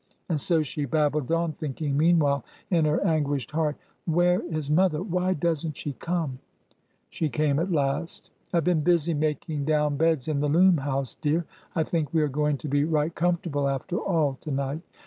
And so she babbled on, thinking meanwhile in her an guished heart, " Where is mother ? Why does n't she come !" She came at last. " I 've been busy making down beds in the loom house, dear. I think we are going to be right comfortable, after all, to night.